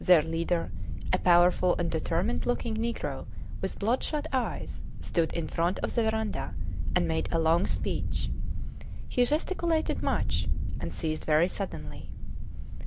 Their leader, a powerful and determined looking negro with bloodshot eyes, stood in front of the verandah and made a long speech. He gesticulated much, and ceased very suddenly.